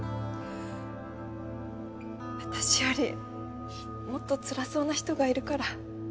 私よりもっとつらそうな人がいるから